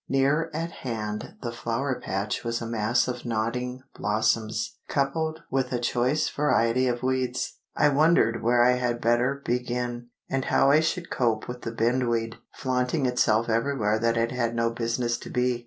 Near at hand the Flower Patch was a mass of nodding blossoms, coupled, with a choice variety of weeds. I wondered where I had better begin, and how I should cope with the bindweed, flaunting itself everywhere that it had no business to be.